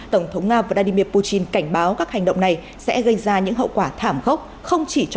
tổng thống nga vladimir putin cảnh báo các hành động này sẽ gây ra những hậu quả thảm gốc không chỉ cho châu âu mà còn cho toàn thế giới